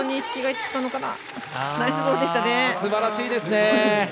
すばらしいですね。